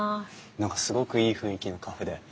何かすごくいい雰囲気のカフェで。